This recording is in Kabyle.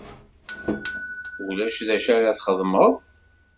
Ulac d acu ara txedmeḍ?